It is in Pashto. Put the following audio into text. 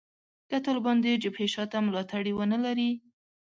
که طالبان د جبهې شا ته ملاتړي ونه لري